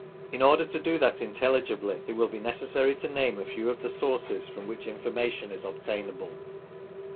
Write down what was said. In order to do that intelligibly, it will be necessary to name a few of the sources from which information is obtainable.